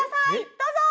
どうぞ！